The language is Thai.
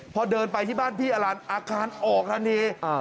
พอเดินไปที่บ้านพี่อลันอาคารออกทันที